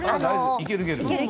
いける、いける。